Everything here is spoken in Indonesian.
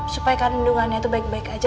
supaya kandungannya itu baik baik aja